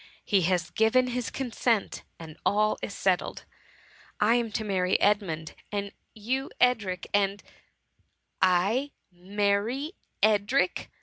He has given his consent, and all is settled. I am to marry Edmund, and you Edric, and——" '' I marry Edric !"